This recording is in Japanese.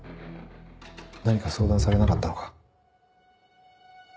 何か相談されなかったのか？